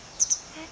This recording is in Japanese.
えっ？